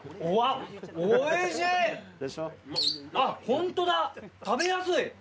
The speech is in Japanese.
ホントだ、食べやすい。